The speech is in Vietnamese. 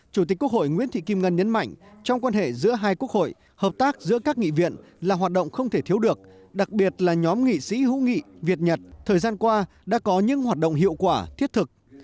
chủ tịch quốc hội nguyễn thị kim ngân nhấn mạnh trong quan hệ giữa hai quốc hội hợp tác giữa các nghị viện là hoạt động không thể thiếu được đặc biệt là nhóm nghị sĩ hữu nghị việt nhật thời gian qua đã có những hoạt động hiệu quả thiết thực